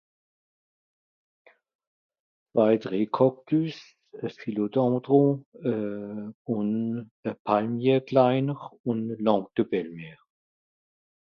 Deux trois cactus, un philodendron , une langue de belle mere